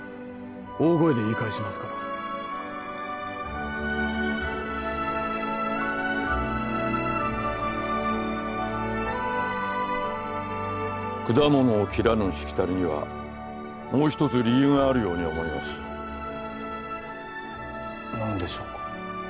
大声で言い返しますから果物を切らぬしきたりにはもう一つ理由があるように思います何でしょうか？